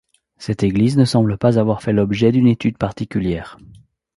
Cette église ne semble pas avoir fait l'objet d'une étude particulière.